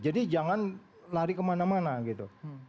jadi jangan lari kemana mana gitu